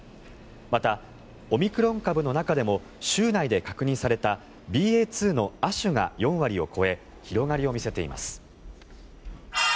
また、オミクロン株の中でも州内で確認されたＢＡ．２の亜種が４割を超え広がりを見せています。